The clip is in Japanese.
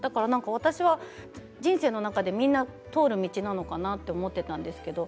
私は、人生の中でみんな通る道なのかなと思っていたんですけど